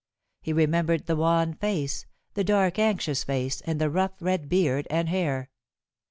He remembered the wan face, the dark, anxious face, and the rough red beard and hair.